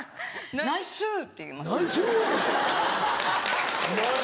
「ナイス！」って言います。